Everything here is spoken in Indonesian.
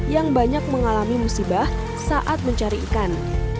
yang banyak mengalami musibah saat mencari ikan